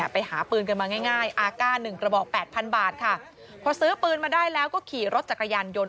ไปหาปืนกันมาง่ายอาก้า๑กระบอก๘๐๐บาทค่ะพอซื้อปืนมาได้แล้วก็ขี่รถจักรยานยนต์